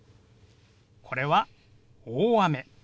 これは「大雨」。